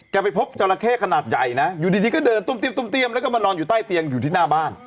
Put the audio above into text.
ไปพบจราเข้ขนาดใหญ่นะอยู่ดีก็เดินตุ้มเตี้ยมแล้วก็มานอนอยู่ใต้เตียงอยู่ที่หน้าบ้าน